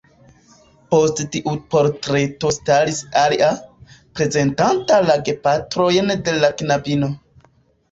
Post tiu portreto staris alia, prezentanta la gepatrojn de la knabino.